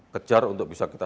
kejar untuk bisa kita